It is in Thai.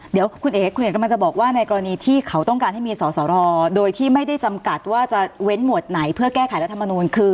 เดี๋ยวคุณเอกจะบอกว่าในกรณีที่เขาต้องการให้มีสหรอโดยที่ไม่ได้จำกัดว่าจะเว้นหมวดไหนเพื่อแก้ไขรัฐรมนุน